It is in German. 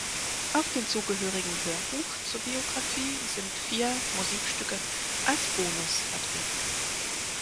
Auf dem zugehörigen Hörbuch zur Biografie sind vier Musikstücke als Bonus vertreten.